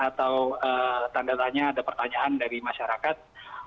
atau tanda tanya ada pertanyaan dari masyarakat